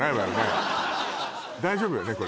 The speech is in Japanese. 大丈夫よね